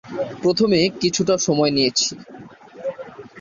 প্রথমে কিছুটা সময় নিয়েছি।